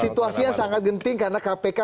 situasinya sangat genting karena kpk